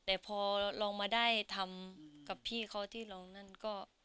แต่พอลองมาได้ทำกับพี่เขาที่ลองนั่นก็